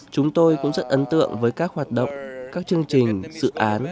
chúng tôi cũng rất ấn tượng với các hoạt động các chương trình dự án